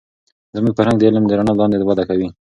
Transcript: زموږ فرهنگ د علم د رڼا لاندې وده کوي.